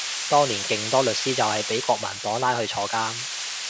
當年勁多律師就係畀國民黨拉去坐監